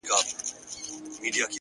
د حقیقت مینه دروغ کمزوري کوي,